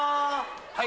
はい。